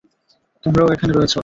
তোমরাও এখানে রয়েছ?